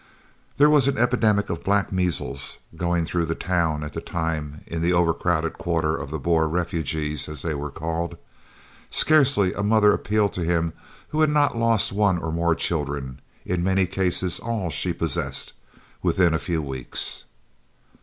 There was an epidemic of "black measles" going through the town at the time in the overcrowded quarters of the "Boer refugees," as they were called. Scarcely a mother appealed to him who had not lost one or more children, in many cases all she possessed, within a few weeks.